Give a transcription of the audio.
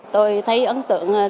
tôi thấy ấn tượng